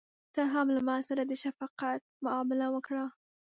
ته هم له ماسره د شفقت معامله وکړه.